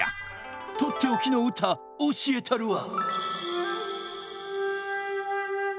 とっておきのうたおしえたるわ！